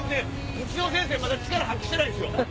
うちの先生まだ力発揮してないんですよ。